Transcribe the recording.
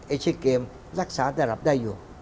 เอเชียเกมรักษาแต่หลับได้อยู่